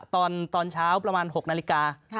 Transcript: ตอนเช้าประมาณ๖นาฬิกา